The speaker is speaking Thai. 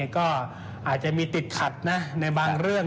ก็อาจจะมีติดขัดนะในบางเรื่อง